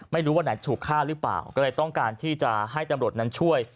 ไม่รู้ว่าไหนถูกฆ่าหรือเปล่าก็เลยต้องการที่จะให้ตำรวจนั้นช่วย